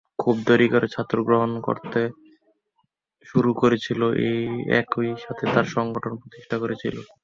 খুব দেরি করে ছাত্র গ্রহণ করতে শুরু করেছিলেন ও একই সাথে তাঁর সংগঠন প্রতিষ্ঠা করেছিলেন।